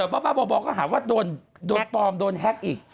พี่บั๊บบอกก็หาว่าโดนโดยแพลมโดนแฮ็กอีก